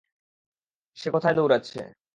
সে কোথায় দৌড়াচ্ছে?